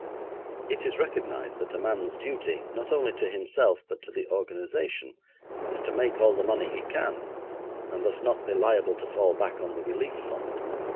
It is recognised that a man's duty, not only to himself, but to the organisation, is to make all the money he can, and thus not be liable to fall back on the relief fund.